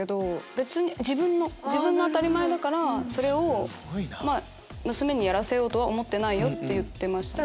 「自分の当たり前だからそれを娘にやらせようとは思ってないよ」って言ってました。